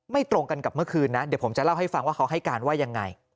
ตรงกันกับเมื่อคืนนะเดี๋ยวผมจะเล่าให้ฟังว่าเขาให้การว่ายังไง